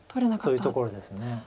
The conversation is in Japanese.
というところです。